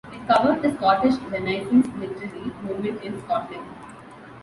It covered the Scottish Renaissance literary movement in Scotland.